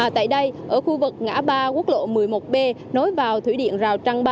tại đây ở khu vực ngã ba quốc lộ một mươi một b nối vào thủy điện rào trăng ba